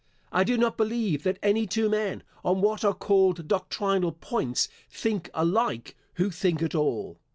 I do not believe that any two men, on what are called doctrinal points, think alike who think at all.